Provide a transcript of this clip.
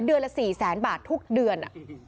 คือ๔แสนบาททุกเดือน